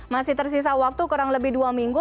masih tersisa waktu kurang lebih dua minggu